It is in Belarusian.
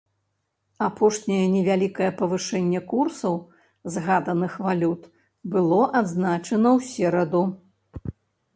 Апошняе невялікае павышэнне курсаў згаданых валют было адзначана ў сераду.